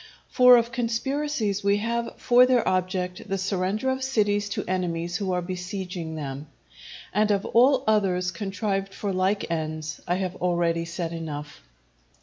For of conspiracies which have for their object the surrender of cities to enemies who are besieging them, and of all others contrived for like ends, I have already said enough.